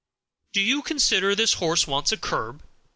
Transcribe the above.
"Do you consider this horse wants a curb?"